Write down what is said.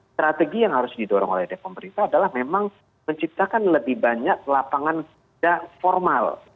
strategi yang harus didorong oleh pemerintah adalah memang menciptakan lebih banyak lapangan kerja formal